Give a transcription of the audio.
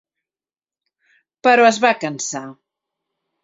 Però es va cansar.